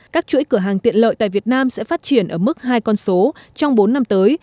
các chuỗi cửa hàng tiện lợi tại việt nam sẽ phát triển ở mức hai con số trong bốn năm tới